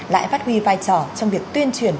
lại phát huy vai trò trong việc tuyên truyền